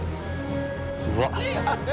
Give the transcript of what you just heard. うわっ。）